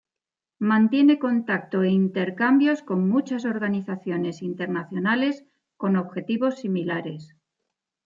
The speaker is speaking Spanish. Mantiene contacto e intercambios con muchas organizaciones internacionales con objetivos similares.